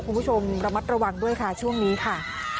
คุณผู้ชมระมัดระวังด้วยค่ะช่วงนี้ค่ะ